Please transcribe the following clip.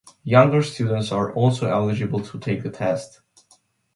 Younger students are also eligible to take the test.